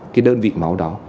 cái đơn vị máu đó